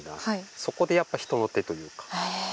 そこでやっぱ人の手というかへえ